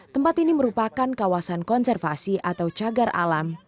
tempat ini merupakan kawasan konservasi atau cagar alam